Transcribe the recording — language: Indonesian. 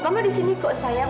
karena di sini kok sayang